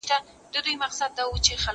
زه به د ښوونځی لپاره امادګي نيولی وي!؟